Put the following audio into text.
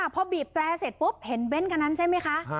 พอบีดแปรเสร็จพบเห็นเบ้นกันนั้นใช่มี่คะ